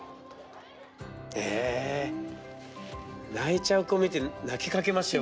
へえ泣いちゃう子見て泣きかけましたよ